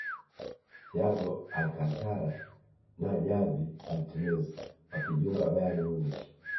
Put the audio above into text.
thiago alcantara na javi martinez wakajiunga bayern munich